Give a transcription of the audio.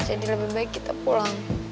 jadi lebih baik kita pulang